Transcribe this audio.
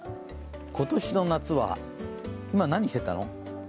今年の夏は今何してたの？